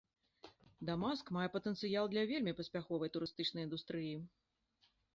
Дамаск мае патэнцыял для вельмі паспяховай турыстычнай індустрыі.